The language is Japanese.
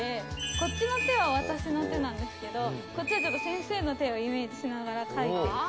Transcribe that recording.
こっちの手は私の手なんですけどこっちは先生の手をイメージしながら描いていて。